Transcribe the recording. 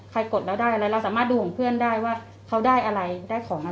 กดแล้วได้อะไรเราสามารถดูของเพื่อนได้ว่าเขาได้อะไรได้ของอะไร